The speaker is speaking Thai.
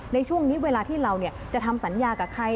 ในช่วงนี้เวลาที่เราจะทำสัญญากับใคร